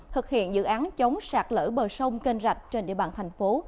thực hiện dự án chống sạt lỡ bờ sông kênh rạch trên địa bàn thành phố